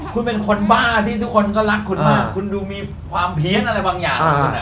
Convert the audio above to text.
คุณเป็นคนบ้าที่ทุกคนก็รักคุณมากคุณดูมีความเพี้ยนอะไรบางอย่าง